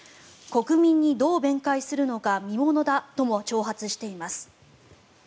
国民にどう弁解するのか見ものだとも挑発しています。